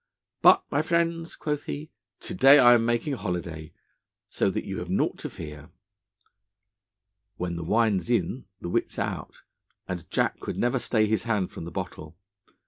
"But, my friends," quoth he, "to day I am making holiday, so that you have naught to fear." When the wine 's in, the wit 's out, and Jack could never stay his hand from the bottle.